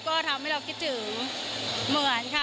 ก็ทำให้เราคิดถึงเหมือนค่ะ